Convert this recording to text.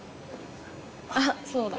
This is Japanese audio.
あっそうだ。